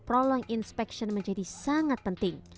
prolong inspection menjadi sangat penting